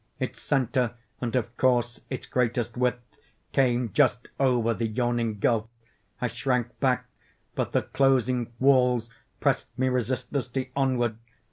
Its centre, and of course, its greatest width, came just over the yawning gulf. I shrank back—but the closing walls pressed me resistlessly onward.